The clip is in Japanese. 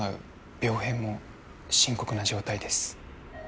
病変も深刻な状態です